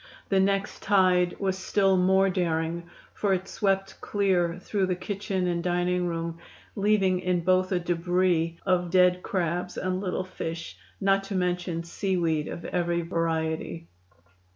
The next tide was still more daring, for it swept clear through the kitchen and dining room, leaving in both a debris of dead crabs and little fish, not to mention seaweed of every variety.